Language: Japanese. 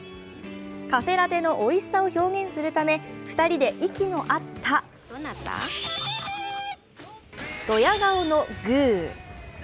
カフェラテのおいしさを表現するため、２人で息の合ったドヤ顔のグー。